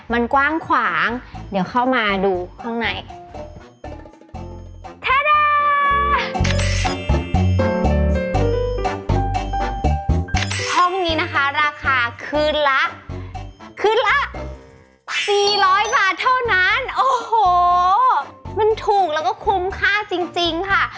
มันถูกแล้วก็คุ้มค่าจริงค่ะ